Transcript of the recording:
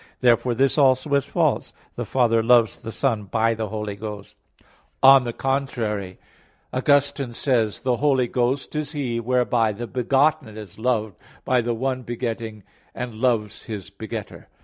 Therefore this also is false: "The Father loves the Son by the Holy Ghost." On the contrary, Augustine says (De Trin. vi, 5): "The Holy Ghost is He whereby the Begotten is loved by the one begetting and loves His Begetter."